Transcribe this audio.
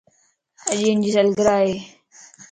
اڄ ھنجي سالگره ائي